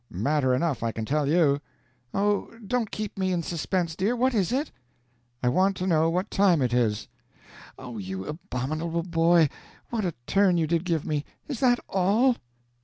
"Matter enough, I can tell you!" "Oh, don't keep me in suspense, dear! What is it?" "I want to know what time it is." "You abominable boy, what a turn you did give me! Is that all?"